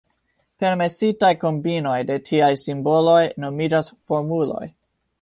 Permesitaj kombinoj de tiaj simboloj nomiĝas formuloj.